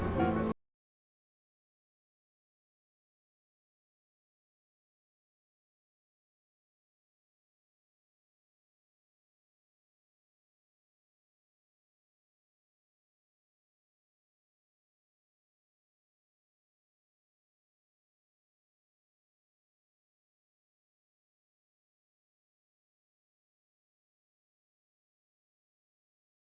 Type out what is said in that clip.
takut kehilangan aku pasti